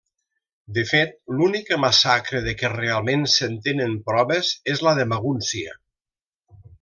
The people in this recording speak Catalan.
De fet, l'única massacre de què realment se'n tenen proves és la de Magúncia.